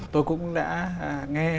tôi cũng đã nghe